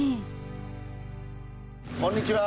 こんにちは。